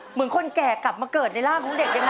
เหมือนคนแก่กลับมาเกิดในร่างของเด็กยังไง